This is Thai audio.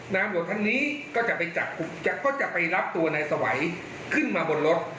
น้ำหวดท่านนี้ก็จะไปรับตัวในสวัยขึ้นมาบนรถ